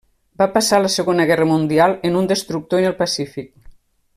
Va passar la Segona Guerra Mundial en un destructor en el Pacífic.